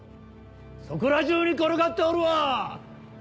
そこら中に転がっておるわ！